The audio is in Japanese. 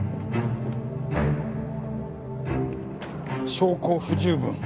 証拠不十分。